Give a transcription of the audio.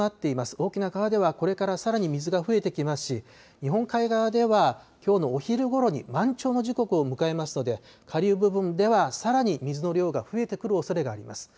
大きな川ではこれからさらに水が増えてきますし、日本海側ではきょうのお昼ごろに満潮の時刻を迎えますので、下流部分ではさらに水の量が増えてくるおそれがあります。